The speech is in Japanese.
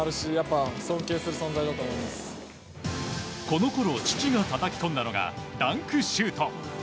このころ父がたたき込んだのがダンクシュート。